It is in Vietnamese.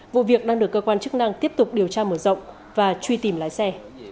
vụ việc đang được cơ quan chức năng tiếp tục điều tra mở rộng và truy tìm lái xe